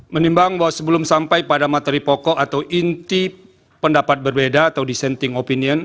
menimbang bahwa sebelum sampai pada materi pokok atau inti pendapat berbeda atau dissenting opinion